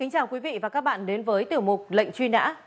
chào quý vị và các bạn đến với tiểu mục lệnh truy nã